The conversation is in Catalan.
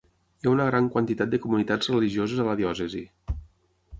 Hi ha una gran quantitat de comunitats religioses a la diòcesi.